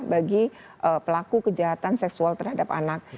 bagi pelaku kejahatan seksual terhadap anak